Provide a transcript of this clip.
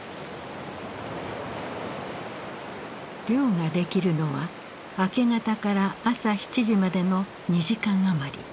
漁ができるのは明け方から朝７時までの２時間余り。